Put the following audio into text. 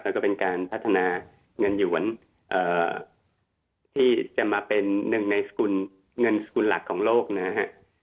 แล้วก็เป็นการพัฒนาเงินหยวนที่จะมาเป็นหนึ่งในสกุลเงินสกุลหลักของโลกนะฮะ